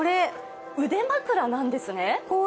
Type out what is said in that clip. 腕枕なんですね。